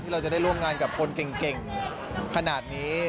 เราจะได้ร่วมงานกับคนเก่งขนาดนี้